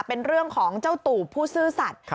เป็นเรื่องของเจ้าตูบผู้ซื่อสัตว์